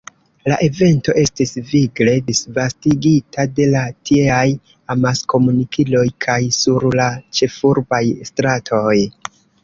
La evento estis vigle disvastigita de la tieaj amaskomunikiloj kaj sur la ĉefurbaj stratoj.